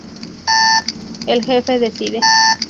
El Jefe Decide.